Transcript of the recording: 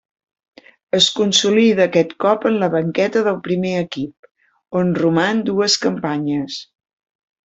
Es consolida aquest cop en la banqueta del primer equip, on roman dues campanyes.